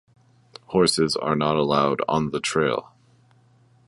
Horses are not allowed on the trail.